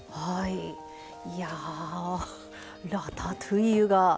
いやラタトゥイユがうま